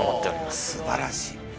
すばらしい。